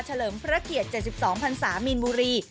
เลิมพระเกียรติ๗๒พันศามีนบุรี